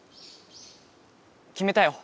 きめたよ。